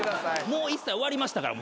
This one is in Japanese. もう一切終わりましたから。